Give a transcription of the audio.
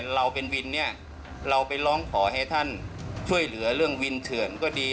เราเป็นวินเนี่ยเราไปร้องขอให้ท่านช่วยเหลือเรื่องวินเถื่อนก็ดี